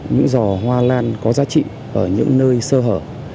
những giò hoa lan có giá trị ở những nơi sơ hở